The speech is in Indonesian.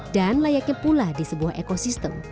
dan layaknya pula di sebuah ekosistem